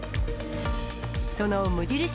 その無印